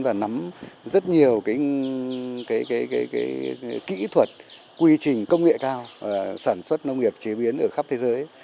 và nắm rất nhiều kỹ thuật quy trình công nghệ cao sản xuất nông nghiệp chế biến ở khắp thế giới